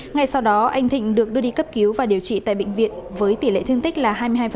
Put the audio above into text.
ngay sau đó anh thịnh được đưa đi cấp cứu và điều trị tại bệnh viện với tỷ lệ thương tích là hai mươi hai